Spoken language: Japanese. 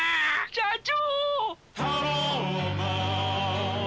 社長！